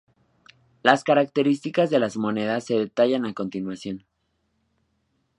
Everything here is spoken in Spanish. Las características de las monedas se detallan a continuación.